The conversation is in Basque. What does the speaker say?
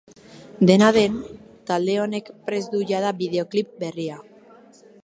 Dena den, talde honek prest du jada bideoklip berria.